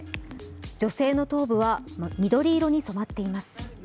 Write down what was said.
女性の頭部は緑色に染まっています。